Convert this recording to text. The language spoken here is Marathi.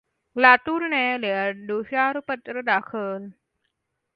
लातूर न्यायालयात दोषारोपपत्र दाखल.